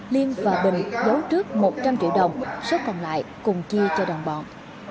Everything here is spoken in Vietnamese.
liên và bình giấu trước một trăm linh triệu đồng số còn lại cùng chi cho đồng bọn